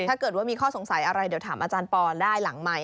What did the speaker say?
ถ้าเกิดว่ามีข้อสงสัยอะไรเดี๋ยวถามอาจารย์ปอได้หลังใหม่